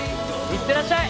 行ってらっしゃい。